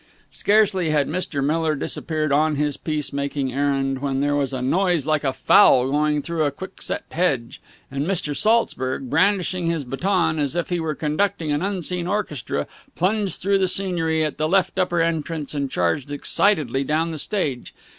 Scarcely had Mr. Miller disappeared on his peace making errand, when there was a noise like a fowl going through a quickset hedge, and Mr. Saltzburg, brandishing his baton as if he were conducting an unseen orchestra, plunged through the scenery at the left upper entrance and charged excitedly down the stage.